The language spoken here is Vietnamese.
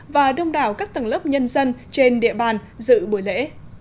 và đông đảo các tầng lớp nhân dân trên địa bàn dự buổi lễ